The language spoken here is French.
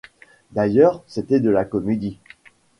D’ailleurs c’était de la comédie.